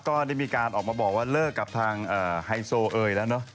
ก็ได้มีการออกมาบอกว่าเลิกกับทางไฮโซเอยแล้วเนอะ